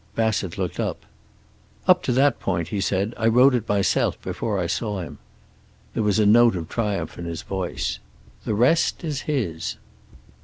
Bassett looked up. "Up to that point," he said, "I wrote it myself before I saw him." There was a note of triumph in his voice. "The rest is his."